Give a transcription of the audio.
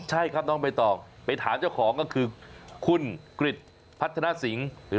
ใช่ครับน้องใบตองไปถามเจ้าของก็คือคุณกริจพัฒนสิงศ์